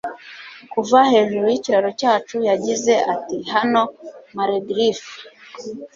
Kuva hejuru y'ikiraro cyacu yagize ati Hano Malegriffe